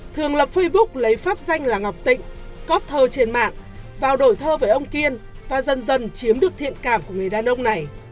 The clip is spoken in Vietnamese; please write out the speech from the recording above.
thường lập facebook lấy pháp danh là ngọc tịnh copt thơ trên mạng vào đổi thơ về ông kiên và dần dần chiếm được thiện cảm của người đàn ông này